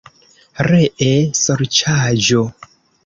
Ree sorĉaĵo?